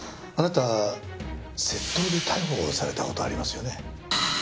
あなた窃盗で逮捕された事ありますよね？